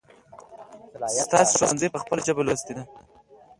تاسو ښونځی په خپل ژبه لوستی دی ؟